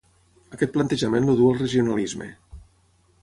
Aquest plantejament el du al regionalisme.